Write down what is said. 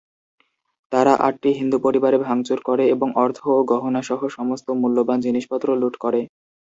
তারা আটটি হিন্দু পরিবারে ভাঙচুর করে এবং অর্থ ও গহনা সহ সমস্ত মূল্যবান জিনিসপত্র লুট করে।